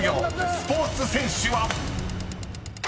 ［スポーツ選手は⁉］